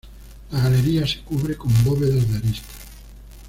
La galería se cubre con bóvedas de arista.